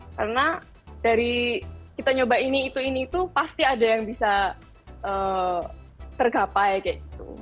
karena dari kita nyoba ini itu ini itu pasti ada yang bisa tergapai kayak gitu